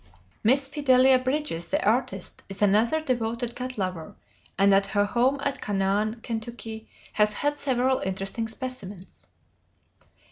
Miss Fidelia Bridges, the artist, is another devoted cat lover, and at her home at Canaan, Ct., has had several interesting specimens.